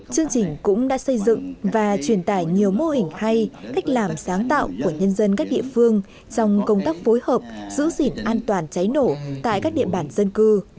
chương trình cũng đã xây dựng và truyền tải nhiều mô hình hay cách làm sáng tạo của nhân dân các địa phương trong công tác phối hợp giữ gìn an toàn cháy nổ tại các địa bàn dân cư